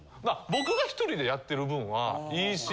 僕が１人でやってる分はいいし。